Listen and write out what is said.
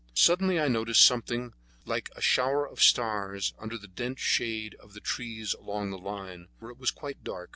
Suddenly I noticed something like a shower of stars under the dense shade of the trees along the line, where it was quite dark.